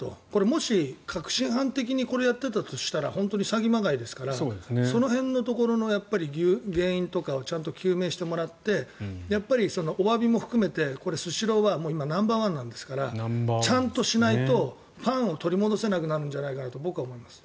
もし確信犯的にこれをやっていたとしたら詐欺まがいですからその辺のところの原因とかを究明してもらっておわびも含めてスシローは今ナンバーワンなんですからちゃんとしないとファンを取り戻せなくなるんじゃないかなと僕は思います。